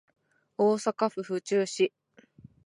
大阪府豊中市